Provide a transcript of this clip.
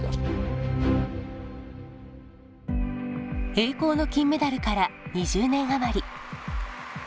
栄光の金メダルから２０年余り。